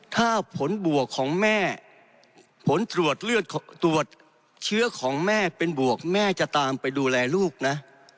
ถ้าผลบวกของแม่ผลตรวจเลือดตรวจเชื้อของแม่เป็นบวกแม่จะตามไปดูแลลูกนะ